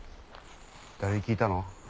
誰に聞いたの？